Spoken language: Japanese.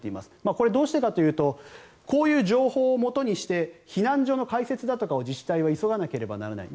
これはどうしてかというとこういう情報をもとにして避難所の開設だとかを自治体は急がなきゃならない。